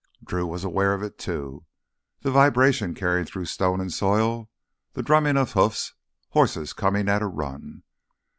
Drew was aware of it, too—the vibration carrying through stone and soil. The drumming of hoofs, horses coming at a run.